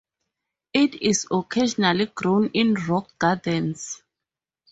It is occasionally grown in rock gardens.